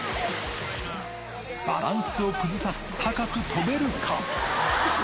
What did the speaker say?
バランスを崩さず高く跳べるか？